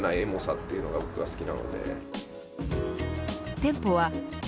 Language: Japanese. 店舗は築